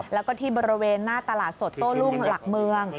แล้วก็ที่บริเวณหน้าตลาดสดโต้รุ่งหลักเมือง